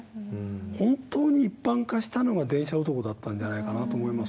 本当に一般化したのが「電車男」だったんじゃないかなと思います。